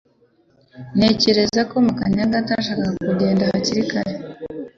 Ntekereza ko Makanyaga atashakaga kugenda hakiri kare